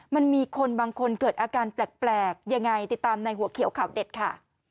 มันมีคนบางคนเกิดอาการแปลกยังไงติดตามในหัวเขียวข่าวเด็ดค่ะ